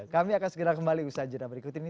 kami akan segera kembali bersajar di berikut ini